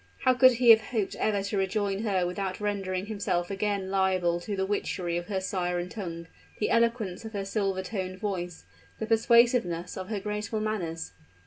How could he have hoped ever to rejoin her without rendering himself again liable to the witchery of her siren tongue the eloquence of her silver toned voice the persuasiveness of her graceful manners?